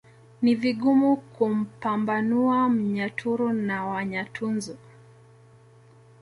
Ni vigumu kumpambanua Mnyaturu na Wanyatunzu